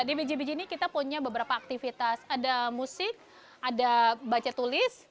di biji biji ini kita punya beberapa aktivitas ada musik ada baca tulis